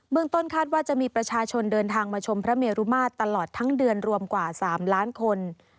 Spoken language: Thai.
เมืองต้นคาดว่าจะมีประชาชนเดินทางมาชมพระเมรุมาตรตลอดทั้งเดือนรวมกว่า๓ล้านคน